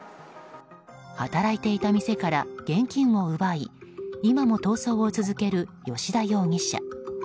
働いていた店から現金を奪い今も逃走を続ける葭田容疑者。